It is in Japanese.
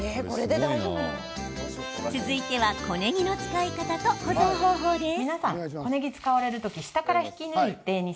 続いては、小ねぎの使い方と保存方法です。